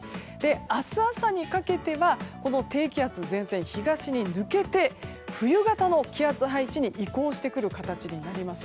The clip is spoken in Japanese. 明日朝にかけてはこの低気圧、前線、東に抜けて冬型の気圧配置に移行してくる形になります。